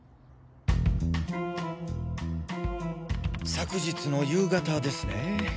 昨日の夕方ですね。